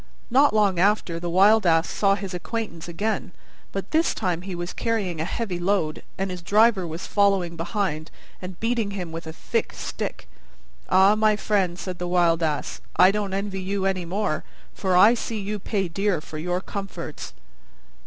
Not long after the Wild Ass saw his acquaintance again, but this time he was carrying a heavy load, and his driver was following behind and beating him with a thick stick. "Ah, my friend," said the Wild Ass, "I don't envy you any more: for I see you pay dear for your comforts."